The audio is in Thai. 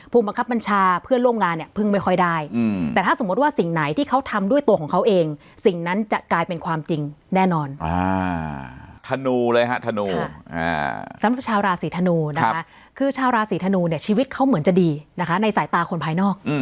ผู้บังคับบัญชาเพื่อนร่วมงานเนี่ย